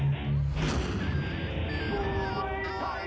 และแพ้๒๐ไฟ